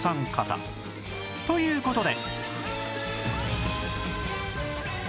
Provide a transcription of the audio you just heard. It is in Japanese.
という事で